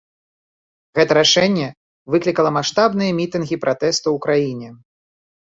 Гэта рашэнне выклікала маштабныя мітынгі пратэсту ў краіне.